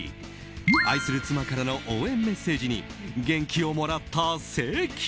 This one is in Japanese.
愛する妻からの応援メッセージに元気をもらった関。